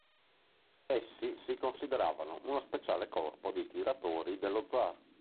Essi si consideravano uno speciale corpo di tiratori dello zar.